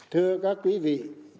thưa các quý vị